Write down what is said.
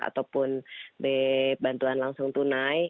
ataupun bantuan langsung tunai